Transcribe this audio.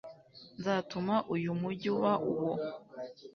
nzatuma uyu mugi uba uwo